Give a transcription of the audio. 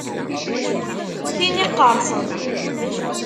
Tin iqqerṣen.